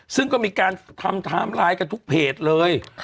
ซึ่งก็มีการทำการตามลายกันทุกเพจเลย